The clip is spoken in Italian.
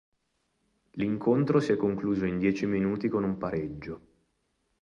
L'incontro si è concluso in dieci minuti con un pareggio.